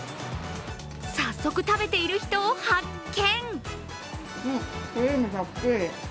早速、食べている人を発見。